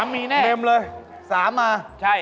๓มา